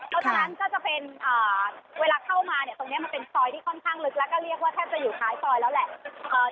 เพราะฉะนั้นก็จะเป็นเวลาเข้ามาเนี่ยตรงนี้มันเป็นซอยที่ค่อนข้างลึกแล้วก็เรียกว่าแทบจะอยู่ท้ายซอยแล้วแหละ